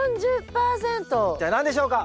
一体何でしょうか？